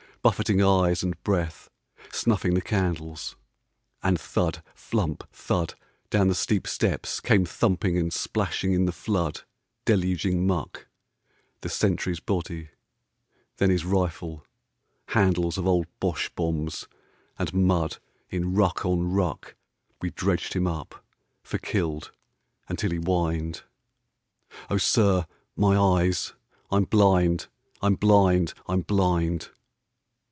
Buffeting eyes and breath, snuffing the candles. And thud ! flump! thud! down the steep steps came thumping And splashing in the flood, deluging muck — The sentry's body; then his rifle, handles Of old Bosche bombs, and mud in ruck on ruck We dredged him up, for killed, until he whined " O sir, my eyes — I 'm blind — I 'm blind, I 'm blind